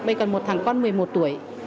bây giờ còn một thằng con một mươi một tuổi